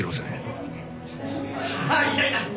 あいたいた。